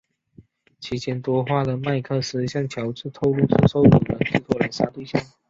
期间多话的麦克斯向乔治透露是受友人之托来杀对象。